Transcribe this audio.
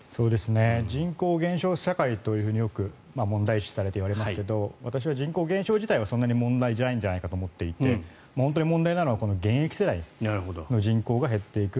人口減少社会というふうに問題視されてよく言われますけど私は人口減少自体はそんなに問題じゃないんじゃないかと思っていて本当に問題なのは現役世代の人口が減っていく。